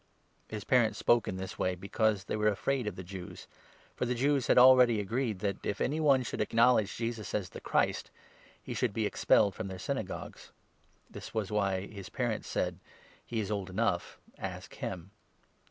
His parents spoke in this way because they were afraid of the 22 Jews ; for the Jews had already agreed that, if any one should acknowledge Jesus as the Chnst, he should be expelled from their synagogues. This was why his parents said ' He is old 23 enough ; ask him.'